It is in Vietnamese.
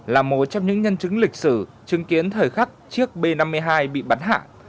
là một trong những nhân chứng lịch sử chứng kiến thời khắc chiếc b năm mươi hai bị bắn hạ